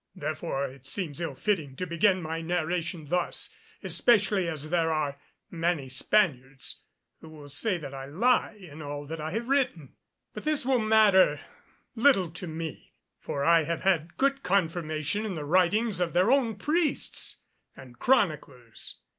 Therefore it seems ill fitting to begin my narration thus, especially as there are many Spaniards who will say that I lie in all that I have written. But this will matter little to me, for I have had good confirmation in the writings of their own priests and chroniclers.